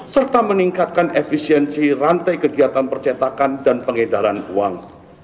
serta meningkatkan efisiensi rantai kegiatan percetakan dan pengedaran uang